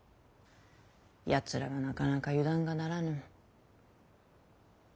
やつらはなかなか油断がならぬ。